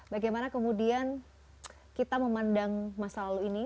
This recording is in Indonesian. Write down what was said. bagaimana kemudian kita memandang masa lalu ini